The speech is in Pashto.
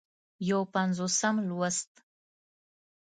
یو پينځوسم لوست